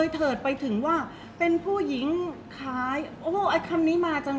เพราะว่าสิ่งเหล่านี้มันเป็นสิ่งที่ไม่มีพยาน